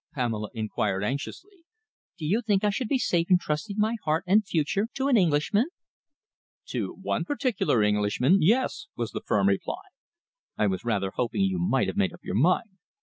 Pamela inquired anxiously. "Do you think I should be safe in trusting my heart and future to an Englishman?" "To one particular Englishman, yes!" was the firm reply. "I was rather hoping you might have made up your mind."